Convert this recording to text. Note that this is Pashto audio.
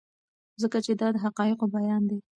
ځکه چې دا د حقایقو بیان دی.